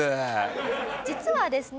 実はですね